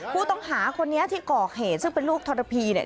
ผู้ต้องหาคนนี้ที่ก่อเหตุซึ่งเป็นลูกทรพีเนี่ย